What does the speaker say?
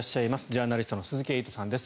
ジャーナリストの鈴木エイトさんです。